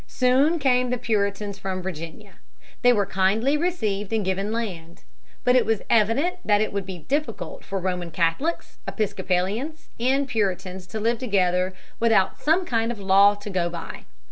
Soon came the Puritans from Virginia. They were kindly received and given land. But it was evident that it would be difficult for Roman Catholics, Episcopalians, and Puritans to live together without some kind of law to go by.